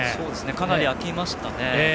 かなり開きましたね。